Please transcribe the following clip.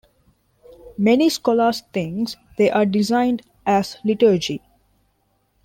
Many scholars think they are designed as liturgy.